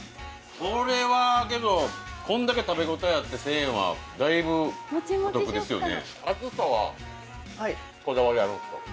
これはけどこんだけ食べ応えあって１０００円はだいぶお得ですよね。